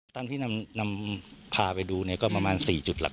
ตามที่นำพาไปดูก็ประมาณ๔จุดหลัก